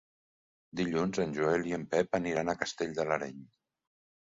Dilluns en Joel i en Pep aniran a Castell de l'Areny.